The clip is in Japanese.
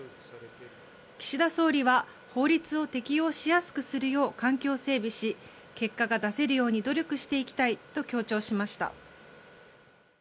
岸田総理は法律を適用しやすくするよう環境整備し結果が出せるように努力していきたいと強調しました。